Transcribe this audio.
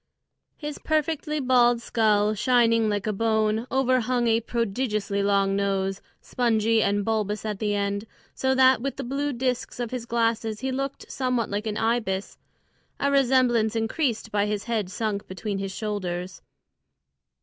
His perfectly bald skull, shining like a bone, overhung a prodigiously long nose, spongy and bulbous at the end, so that with the blue discs of his glasses he looked somewhat like an ibis, a resemblance increased by his head sunk between his shoulders.